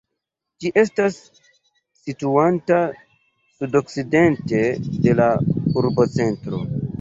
Ĝi estas situanta sudokcidente de la urbocentro.